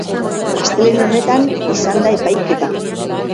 Astelehen honetan izan da epaiketa.